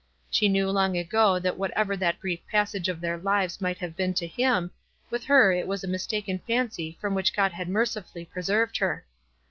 She knew long ago that whatever that brief passage in their lives might have been to him, with her it was a mis taken fancy from which God had mercifully pre served her.